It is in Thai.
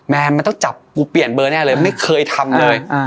แมนมันต้องจับกูเปลี่ยนเบอร์แน่เลยไม่เคยทำเลย